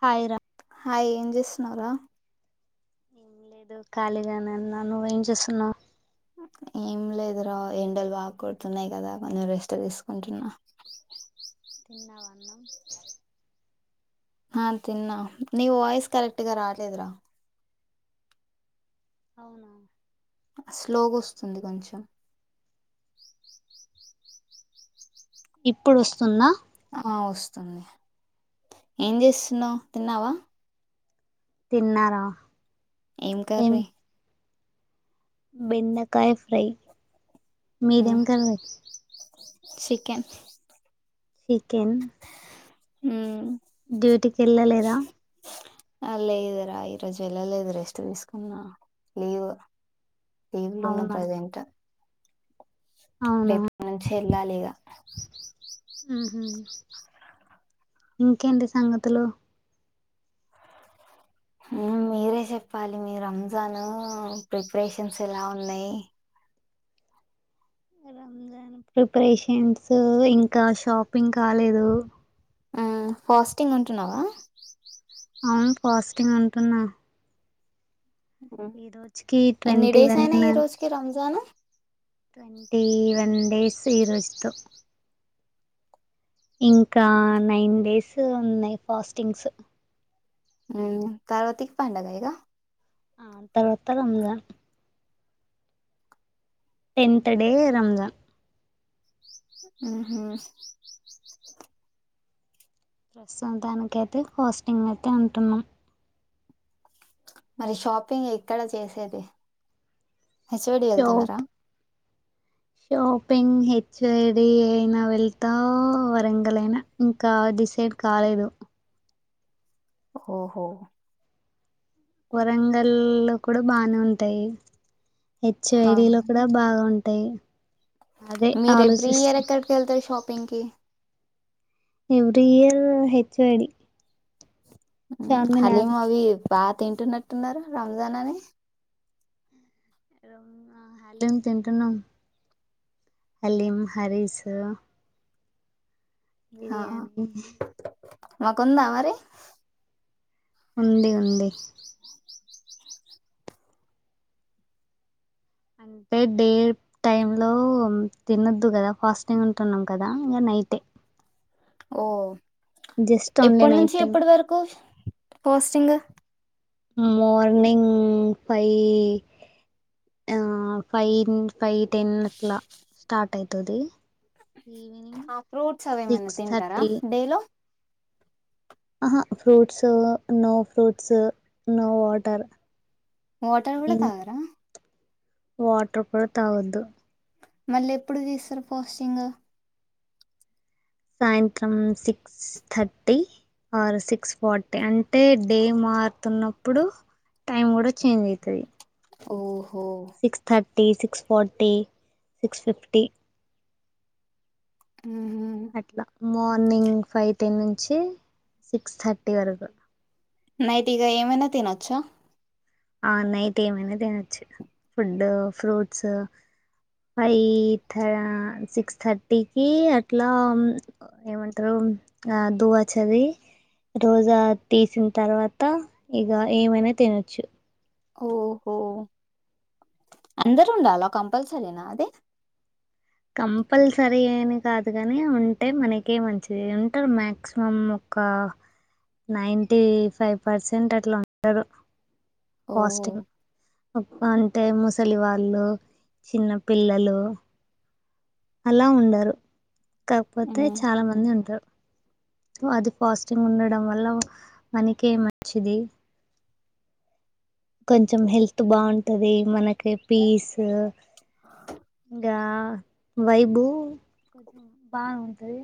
Hi రా hi ఏం జేస్సున్నావ్ రా లేదు ఖాళీగానే ఉన్న నువ్వేం చేస్తున్నావ్ ఏం లేదు రా ఎండలు బాకొడుతున్నాయి కదా కొంచెం రెస్ట్ తీసుకుంటున్నా తిన్నావన్నం ఆ తిన్నా నీ వాయిస్ కరెక్ట్ గా రాట్లేదు రా అవునా స్లోగొస్తుంది కొంచెం ఇప్పుడొస్తుందా ఆ వస్తుంది ఏం జేస్తున్నావు తిన్నావా తిన్నారా ఏం కర్రీ బెండకాయ ఫ్రై ఉమ్, మీదేం కర్రీ చికెన్ చికెన్ హుమ్ డ్యూటీకెళ్లలేదా అ లేదురా ఈరోజు వెళ్లలేదు రెస్ట్ తీసుకున్నా లీవ్ లీవులున్న అవునా ప్రజెంట్ అవునా రేపుట్ నుంచి ఎళ్లాలిగా ఊహు ఇంకేంటి సంగతులు ఉమ్ మీరే చెప్పాలి మీ రంజాను ప్రిపరేషన్స్ ఎలా ఉన్నాయి రంజాన్ ప్రిపరేషన్స్ ఇంకా షాపింగ్ కాలేదు ఆ ఫాస్టింగ్ ఉంటున్నావా ఆమ్ ఫాస్టింగ్ ఉంటున్న ఉమ్. ఈ రోజుకి ఎన్ని ట్వంటీ డేస్ వన్ అయినా ఈ రోజుకి రంజాన్ ట్వంటీ వన్ డేసు ఈ రోజుతో ఇంకా నైన్ డేస్ ఉన్నాయి ఫాస్టింగ్స్ ఉ పార్వతికి పండుగ ఇగ ఆ తను ఓత్తనన్నదా టెన్త్ డే రంజాన్ ఊహు ప్రస్తుతానికి అయితే పోస్టింగ్ అయితే ఉంటున్నాం మరి షాపింగ్ ఎక్కడ చేసేది చ్ఓడి షాప్ వెళ్తున్నారా షాపింగ్ హెచ్ఐడి అయినా వెళ్తా వరంగల్ అయినా ఇంకా డిసై డ్ కాలేదు ఓహో వరంగల్లో కూడా బానే ఉంటాయి హా హెచ్యైడిలో కూడా బాగుంటాయి మీరు ఎవ్రీ ఇయర్ ఎక్కడికి వెళ్తారు షాపింగ్ కి ఎవ్రి ఇయర్ హెచ్యైడి హలీం అవి బాగా తింటున్నట్టున్నారు రంజాన్ అని న్నాం తింటున్నాం హలీమ హరిసు ఆ బిర్యానీ మాకుందా మరి ఉంది ఉంది అంటే డే టైమ్ లో తినద్దు కదా ఫాస్టింగ్ ఉంటున్నాం కదా ఇ అయితే ఓ ఓన్లీ ఎప్పటి నైట్ నుంచి టైం ఎప్పటి వరకు పోస్టింగ్ మోర్నింగ్ ఫైవ్ ఆ ఫైవ్ ఫైవ్ టెన్ అట్లా స్టార్ట్ అయితాది ఫ్రూట్స్ అవి ఏమైనా సిక్స్ తింటారా థర్టీ డేలో ఆహా fruits no fruits no water water కూడా తాగార వాటర్ కూడా తాగొద్దు మళ్ళీ ఎప్పుడు తీస్తారు పోస్టింగ్ సాయంత్రం సిక్స్ థర్టీ ఆ సిక్స్ ఫార్టీ అంటే డే మారుతున్నప్పుడు టైమ్ కూడా చేంజ్ అయితది ఓహో day six forty six fifty ఉహు అట్లా మార్నింగ్ ఫైవ్ టెన్ నుంచి సిక్స్ థర్టీ వరకు నైట్ ఇక ఏమైనా తినొచ్చా ఆ నైట్ ఏమనా తినొచ్చు ఫుడ్ ఫ్రూట్స్ ఫైవ్ ధ సిక్స్ థర్టీకి అట్లా ఏమంటారు ఆ దువచది రోజా తీసిన తర్వాత ఇగా ఏమైనా తినొచ్చు ఓహో అందరు ఉండాల కంపల్సరీనా అది కంపల్సరీ ఏమి కాదు కాని ఉంటే మనకే మంచిది ఉంటారు మాక్సిమం ఒక నైంటి ఫైవ్ పర్సెంట్ అట్లా ఉంటారు ఓహ్! పోస్టింగ్ అంటే ముసలి వాళ్ళు చిన్న పిల్లలు అలా ఉండరు కాకపోతే చాలా హుహు. మంది ఉంటారు అది ఫాస్టింగ్ ఉండడం వల్ల మనకే మంచిది కొంచెం హెల్త్ బాగుంటది మనకి పీస్ యా వైబు బాగా ఉంటది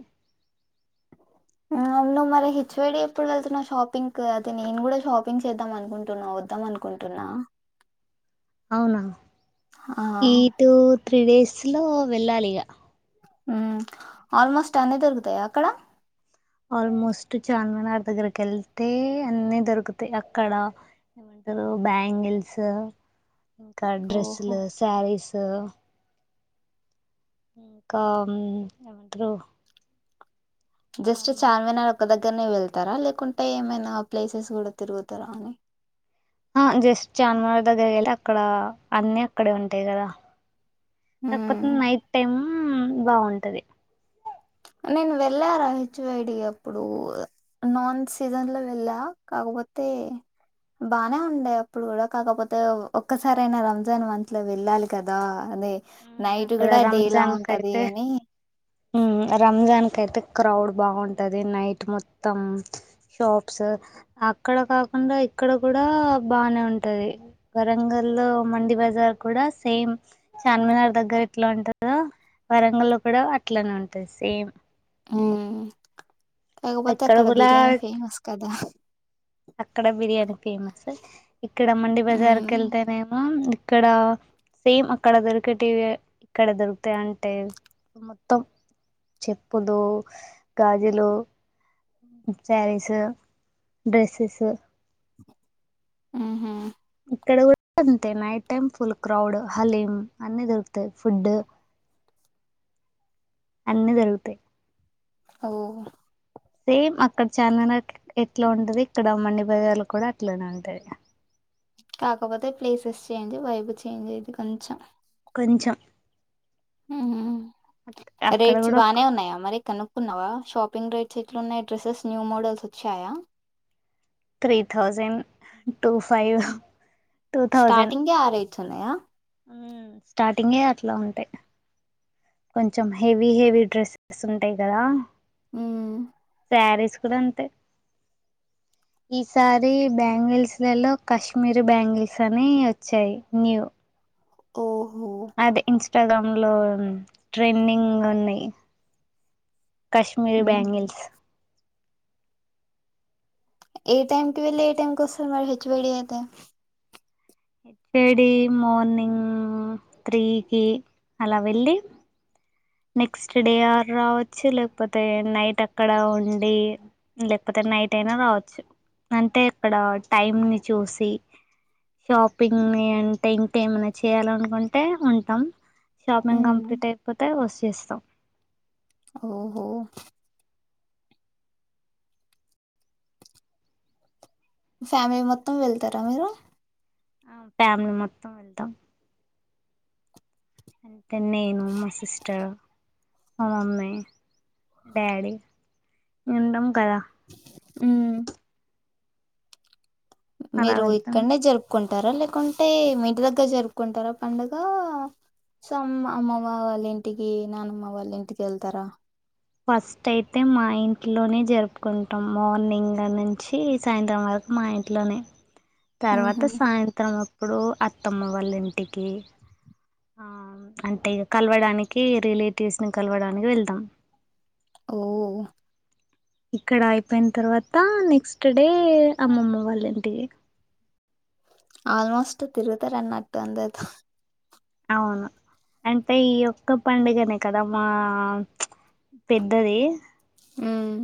ఆ నువ్వు మరి హేచ్యైడి ఎప్పుడు వెళ్తున్నావు షాపింగ్ కు అది నేను కూడా షాపింగ్ చేద్దాం అనుకుంటున్నా వద్దాం అనుకుంటున్నా అవునా ఆ! ఈ టూ త్రీ డేస్ లో వెళ్ళాలి ఇక ఉమ్ ఆల్మోస్ట్ అన్నీ దొరుకుతాయా అక్కడ ఆల్మోస్ట్ చార్మినార్ దగ్గరకి వెళ్తే అన్నీ దొరుకుతాయి అక్కడ ఏమంటారు బ్యాంగిల్స్ ఇంకా ఓహో! డ్రెస్సులు శారీస్ ఇంకా ఏమంటారు జస్ట్ చార్మినార్ ఒక దగ్గ ఇక్కడ్నె వెళ్తార లేకుంటే ఏమైనా ప్లేసెస్ కూడా తిరుగుతారా అని జస్ట్ చాార్మినార్ దగ్గర వెళ్తె అక్కడ అన్నిీ అక్కడే ఉంటాయి కదా కాకపోతే హ్మ్. నైట్ టైమ్ బాగుంటది నేన్ వెళ్ళార హెచ్వైడి అప్పుడు నాన్ సీజన్ లో వెళ్ళా కాకపోతే బానే ఉండే అప్పుడు కూడ కాకపోతే ఒక్కసారి అయినా రంజాన్ మంత్ లో వెళ్ళాలి కదా అదే నైట్ అక్కడ కూడా డే లా రంజాన్ ఉంటది కయితే అని ఉమ్ రంజాన్ అయితే క్రౌడ్ బాగుంటది నైట్ మొత్తం షాప్స్ అక్కడక అందులో ఇక్కడ కూడా బానే ఉంటది వరంగల్లో మండి బజార్ కూడ సేమ్ చార్మినార్ దగ్గర ఇట్ల ఉంటందో వరంగల్ లో కూడ అట్లనే ఉంటది సేమ్ ఉమ్ కాకపోతే ఇక్కడ అక్కడ కూడా బిర్యానీ ఫేమస్ కదా అక్కడ బిర్యానీ ఫేమస్ ఇక్కడ మండి బజార్ ఉమ్, కెళ్తేనేమో ఇక్కడ సేమ్ అక్కడ దొరికేటివి ఇక్కడ దొరుకుతాయి అంటే ఇక మొత్తం చెప్పులు గాజులు సారీస్ డ్రస్సెస్ ఆహ ఇక్కడ కూడ అంతే night time full crowd haleem అన్ని దొరుకుతాయి ఫుడ్ అన్నీ దొరుగుతాయి అవు సేమ్ అక్కడ చార్మినార్ ఎట్ల ఉంటది ఇక్కడ అ మండి బజార్లు కూడ అట్లనే ఉంటది కాకపోతే ప్లేసెస్ చేంజ్ వైపు చేంజ్ అయితది కొంచెం ఉంచాం ఊహు అక్కడ రేట్స్ కూడా బానే ఉన్నాయి మరి తను కొన్నవా షాపింగ్ రేట్స్ ఎట్లు ఉన్నాయి డ్రెసెస్ న్యూ మోడల్స్ వచ్చాయా three thousand two five two thousand starting ఆ రైతు ఉన్నయా స్టార్టింగే అట్ల ఉంటాయి కొంచం హెవీ హెవీ డ్రెస్సెస్ ఉంటాయి కదా ఉ శ్యారీస్ కూడ అంతే ఈసారి బ్యాంగిల్స్ లల్లో కాశ్మీర్ బ్యాంగిల్స్ అని వచ్చాయి న్యూ ఓహో అదిే ఇన్స్టాగ్రామ్ లో ట్రెండింగ్ ఉన్నాయి కశ్మీరి ఉమ్. బ్యాంగిల్స్ ఏ టైమ్ కి వెళ్ళి ఏ టైమ్ కోస్తున్నారు హెచ్ ఒడి అయితే ఏడి మర్నింగ్ త్రీకి అలా వెళ్ళి నెక్స్ట్ డే ఆ రావచ్చు లేకపోతే నైట్ అక్కడ ఉండి లేకపోతే నైట్ అయినా రావచ్చు అంటే ఇక్కడ టైమ్ ని చూసి షాపింగ్ ని అంటే ఇంకేమైనా చేయాల అనుకుంటే ఉంటాం షాపింగ్ ఉమ్. కంప్లీట్ అయిపోతే వచ్చేస్తాం ఓహో ఫ్యామిలీ మొత్తం వెళ్తార మీరు ఆ ఫ్యామిలీ మొత్తం వెళ్తాం అంతే నేను మా సిస్టర్ మ మమ్మీ డాడీ నిండం కద ఉమ్ అలా మీరు వెళ్తాం ఇక్కడ్నే జరుపుకుం ఉంటార లేకుంటే మీ ఇంటి దగ్గర జరుపుకుంటారా పండగా సో అమ్ అమ్మమ్మ వాళ్ళ ఇంటికి నాయనమ్మ వాళ్ళ ఇంటికి వెళ్తారా ఫస్ట్ అయితే మా ఇంట్లోనే జరుపుకుంటాం మార్నింగ్ నుంచి సాయంత్రం వరకు మా ఇట్లోనే తర్వాత హుహు. సాయంత్రం అప్పుడు అత్తమ్మ వాళ్ళ ఇంటికి ఆ అంటే ఇక కలవడానికి రిలేటివ్స్ ని కలవడానికి వెళ్దాం ఓ ఇక్కడ అయిపోయిన తర్వాత నెక్స్ట్ డే అమ్మమ్మ వాళ్ళ ఇంటికి ఆల్మోస్ట్ తిరుగుతరు అన్నట్టు అందరితో అవును అంటే ఈ ఒక్క పండుగనే కదా మా పెద్దది మ్మ్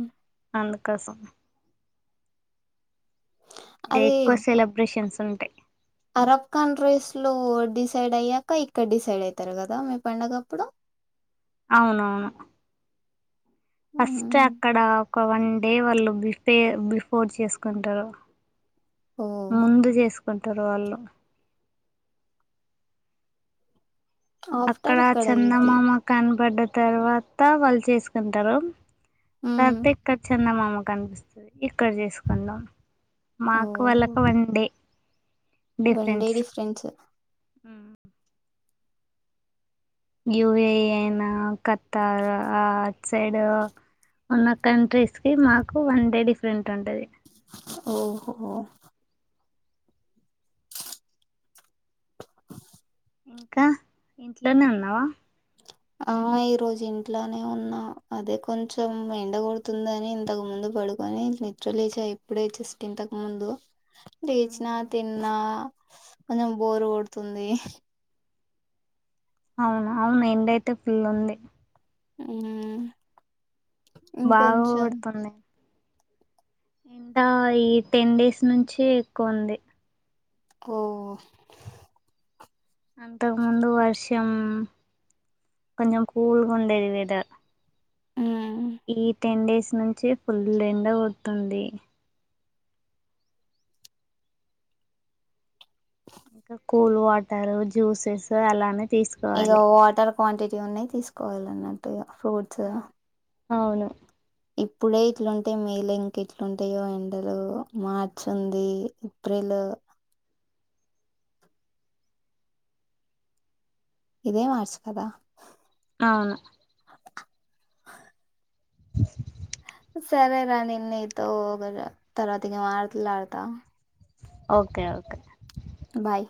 అందుకోసం ఇంకా అది ఎక్కువ సెలబ్రేషన్స్ ఉంటాయి అరబ్ కంట్రీస్ లో డిసైడ్ అయ్యాక ఇక్కడ డిసైడ్ అయితారు కదా మీ పండగప్పుడు అవునవును ఫస్ట్ హ్మ్. అక్కడ ఒక వన్ డే వాళ్ళు బిఫే బిఫోర్ చేసుకుంటారు ఓహ్! ముందు చేసుకుంటారు వాళ్ళు ఆఫ్టర్ అక్కడ ఇక్కడ ఇది. చందమామ కని పడ్డ తర్వాత వాళ్ళు చేసుకుంటారు హ్మ్. తర్త ఇక్కడ చెందమామ నిపిస్తుంది ఇక్కడ చేసుకుందాం మాకు వాళ్ళకు one day one day difference ఉమ్మ్ యుూఏఏన్ అయినా కత్తార్ సైడ్ ఉన్న కంట్రీస్ కి మాకు వన్ డే డిఫరెంట్ ఉంటది ఓహోో ఇంకా ఇంట్లోనే ఉన్నావా ఆ ఈ రోజు ఇంట్లోనే ఉన్నా అదే కొంచెం ఎండగొడుతుందని ఇంతకు ముందు పడుకొని నిద్రలే లేచా ఇప్పుడు జస్ట్ ఇంతకు ముందు లేచిన తిన్నా కొంచెం బోరు కొడుతుంది అవునా అవునా ఎండయితే ఫుల్ ఉంది మ్మ్ బాగా ఇంకొంచెం కొడుతుంది ఆ ఈ టెన్ డేస్ నుంచి ఎక్కువ ఉంది ఓ అంతకుముందు వర్షం కొంచెం కూల్ గా ఉండేది వెదర్ మ్మ్ ఈ టెన్ డేస్ నుంచి ఫుల్ ఎండ కొడుతుంది ఇంకా కూల్ వాటర్ జ్యూసెస్ అలానే ఇక తీసుకోవాలి వాటర్ క్వాంటిటీ ఉన్నాయి తీసుకోవాలి అన్నట్టు ఇ ఫ్రూట్స్ అవును ఇప్పుడే ఇట్లుంటాయి మే లో ఇంక ఎట్లుంటాయో ఎండలు మార్చ్ ఉంది ఏప్రిల్ ఆ ఇదే మార్చు కదా అవును [inaudible] సరేరా నేను నీతో తర్వాత కి మాట్లాడతా ఓకే ఓకే బాయ్